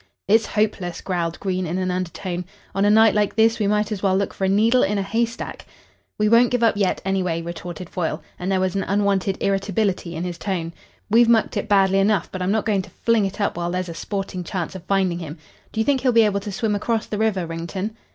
"It's hopeless," growled Green, in an undertone. "On a night like this we might as well look for a needle in a haystack." "We won't give up yet, anyway," retorted Foyle, and there was an unwonted irritability in his tone. "We've mucked it badly enough, but I'm not going to fling it up while there's a sporting chance of finding him. Do you think he'll be able to swim across the river, Wrington?"